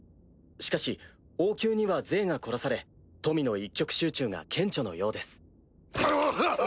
しかし王宮には贅が凝らされ富の一極集中が顕著のようです。